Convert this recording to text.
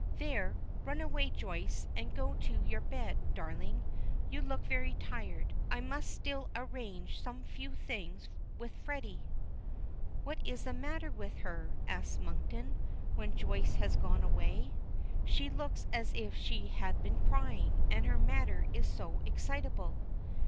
"There, run away, Joyce, and go to your bed, darling; you look very tired. I must still arrange some few things with Freddy." "What is the matter with her?" asks Monkton, when Joyce has gone away. "She looks as if she had been crying, and her manner is so excitable."